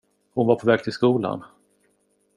Hon var på väg till skolan.